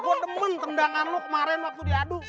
gue demen tendangan lo kemaren waktu diaduk